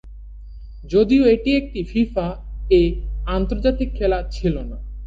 যদিও এটি একটি ফিফা 'এ' আন্তর্জাতিক খেলা ছিল না।